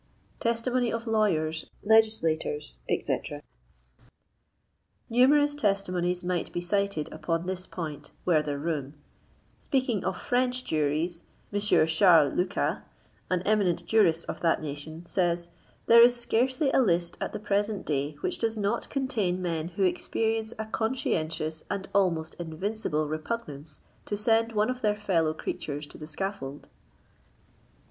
TESTIMONY OF LAWYERS, LEGISLATORS, ETC. Numerous testimonies might be cited upon this point were there room. Speaking of Fc^ch juries, M . Charles Lucas, an eminent jurist of that nation, says, " there is scarcely a list at the present day which does not contain men who experience a conscietflious and almost invincible repugnance to send one of their fellow creatures to the scaffold.